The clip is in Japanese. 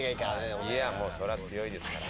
もうそりゃ強いですから。